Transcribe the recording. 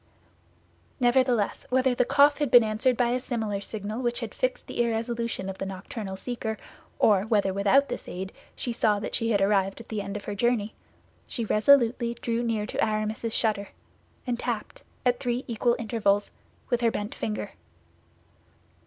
Nevertheless, whether the cough had been answered by a similar signal which had fixed the irresolution of the nocturnal seeker, or whether without this aid she saw that she had arrived at the end of her journey, she resolutely drew near to Aramis's shutter, and tapped, at three equal intervals, with her bent finger.